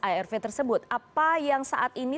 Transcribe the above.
arv tersebut apa yang saat ini